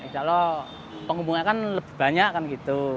kalau penghubungnya kan lebih banyak kan gitu